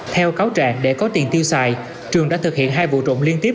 theo cáo trạng để có tiền tiêu xài trường đã thực hiện hai vụ trộm liên tiếp